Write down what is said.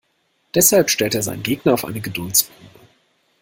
Deshalb stellt er seinen Gegner auf eine Geduldsprobe.